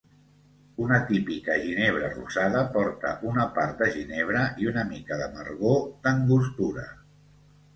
Una típica ginebra rosada porta una part de ginebra i una mica d'amargor d'angostura.